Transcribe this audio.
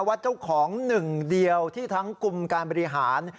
ว่าเจ้าของหนึ่งเดียวที่ทั้งกลุ่มการบริหาร